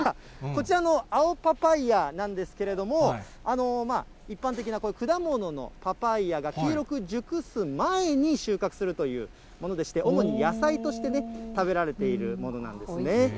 こちらの青パパイヤなんですけれども、一般的なこういう果物のパパイヤが黄色く熟す前に収穫するというものでして、主に野菜として食べられているものなんですね。